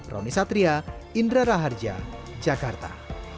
roni satria indra raharja jakarta